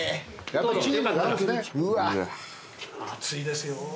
熱いですよ。